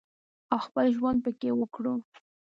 او خپل ژوند پکې وکړو